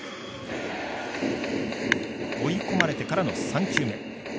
追い込まれてからの３球目。